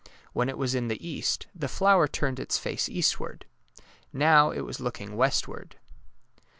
When it was in the east, the flower turned its face eastward. Now it was looking westward.